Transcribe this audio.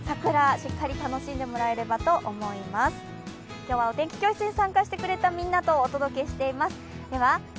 今日はお天気教室に参加してくれた方とお届けしています。